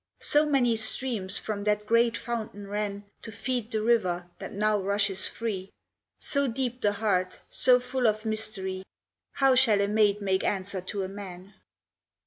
So many streams from that great fountain ran To feed the river that now rushes free, So deep the heart, so full of mystery; How shall a maid make answer to a man?